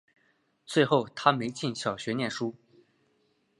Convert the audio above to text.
最后她没进小学念书